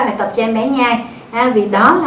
phải tập cho em bé nhai vì đó là